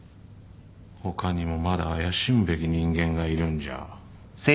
他にもまだ怪しむべき人間がいるんじゃ？